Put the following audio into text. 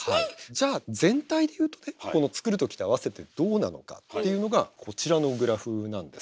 じゃあ全体で言うとねこの作る時と合わせてどうなのかっていうのがこちらのグラフなんです。